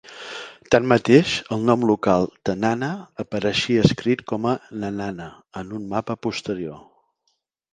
Tanmateix, el nom local Tanana apareixia escrit com a "Nenana" en un mapa posterior.